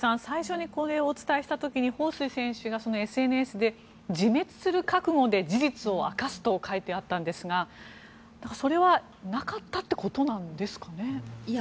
最初にこれをお伝えした時にホウ・スイ選手がＳＮＳで自滅する覚悟で事実を明かすと書いてあったんですがそれはなかったということなんですかね。